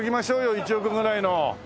１億ぐらいの。